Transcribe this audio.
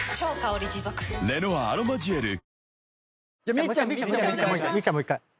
みっちゃんもう１回。